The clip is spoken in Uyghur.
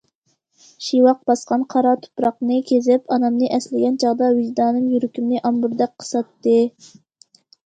شىۋاق باسقان قارا تۇپراقنى كېزىپ ئانامنى ئەسلىگەن چاغدا ۋىجدانىم يۈرىكىمنى ئامبۇردەك قىساتتى.